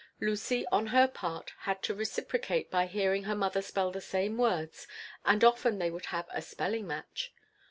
Lucy, on her part, had to reciprocate by hearing her mother spell the same words, and often they would have a spelling match.